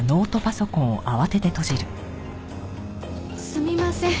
すみません。